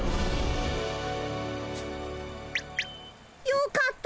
よかった！